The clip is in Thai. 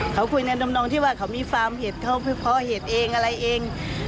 เขาคุยในดำนองที่ว่าเขามีฟาร์มเห็ดเขาเพาะเห็ดเองอะไรเอง